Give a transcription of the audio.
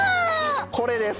これです